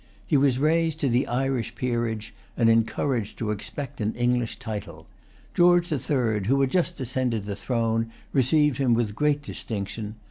He was raised to the Irish peerage, and encouraged to expect an English title. George the Third, who had just ascended the throne, received him with great distinction.